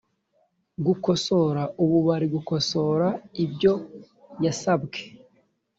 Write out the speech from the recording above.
gukosora ubu bari gukosora ibyo yasabwe